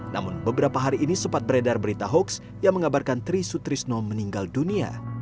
namun beberapa hari ini sempat beredar berita hoaks yang mengabarkan tri sutrisno meninggal dunia